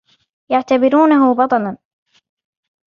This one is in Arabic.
يعتبرونه بطلاً.